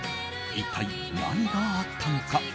一体、何があったのか。